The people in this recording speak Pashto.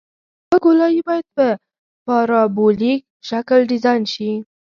دا ګولایي باید په پارابولیک شکل ډیزاین شي